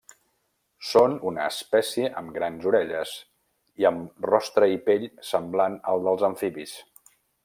Són una espècie amb grans orelles i amb rostre i pell semblant al dels amfibis.